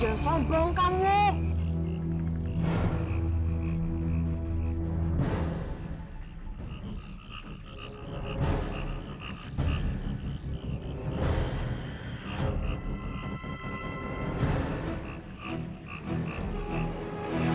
jangan sampai kau mencabut kayu ini